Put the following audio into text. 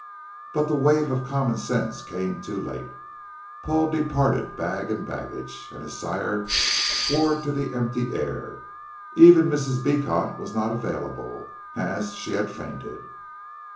But the wave of common sense came too late. Paul departed bag and baggage, and his sire swore to the empty air. Even Mrs. Beecot was not available, as she had fainted.